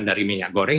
dari minyak goreng